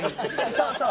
そうそう。